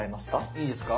いいですか？